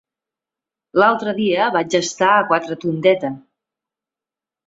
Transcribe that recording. L'altre dia vaig estar a Quatretondeta.